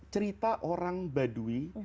cerita orang baduy